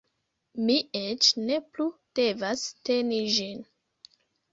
Mi eĉ ne plu devas teni ĝin